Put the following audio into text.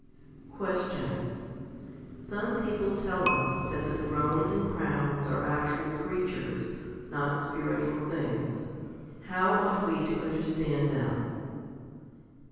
5. Question. Some people tell us that the thrones and crowns are actual creatures, not spiritual things. How ought we to understand them?